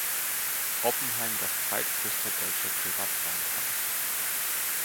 Oppenheim das zweitgrößte deutsche Privatbankhaus.